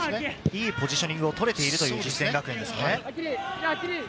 いいポジショニングを取れているという実践学園ですね。